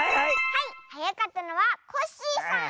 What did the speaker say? はいはやかったのはコッシーさん！